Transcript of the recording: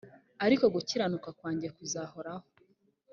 ariko gukiranuka kwanjye kuzahoraho